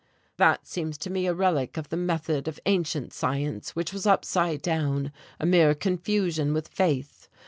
"That seems to me a relic of the method of ancient science, which was upside down, a mere confusion with faith.